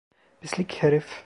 Pislik herif.